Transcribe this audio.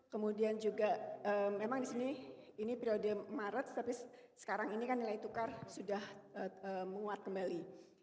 kemudian juga memang di sini ini periode maret tapi sekarang ini kan nilai tukar sudah menguat kembali